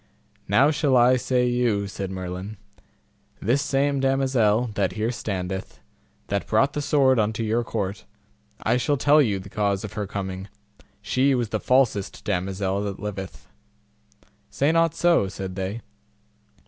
Now shall I say you, said Merlin; this same damosel that here standeth, that brought the sword unto your court, I shall tell you the cause of her coming: she was the falsest damosel that liveth. Say not so, said they.